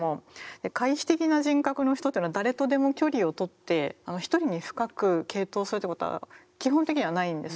で回避的な人格の人というのは誰とでも距離をとって一人に深く傾倒するっていうことは基本的にはないんです。